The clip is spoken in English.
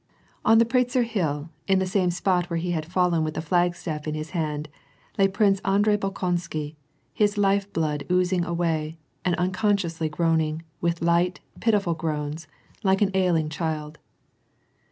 On the Pratzer hill, in the same spot where he had fallen with the flagstafiE in his hand, lay Prince Andrei Bolkonsky, his life blood oozing away, and unconsciously groaning, with light, pitiful groans, like an ailing child.